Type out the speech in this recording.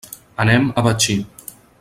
Anem a Betxí.